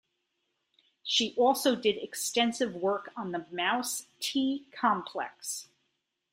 She also did extensive work on the mouse t-complex.